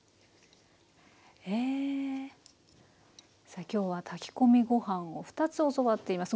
さあ今日は炊き込みご飯を２つ教わっています。